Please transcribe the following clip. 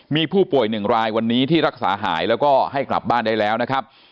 มีผู้ป่วยหนึ่งรายวันนี้ที่รักษาหายแล้วก็ให้กลับบ้านได้แล้วนะครับ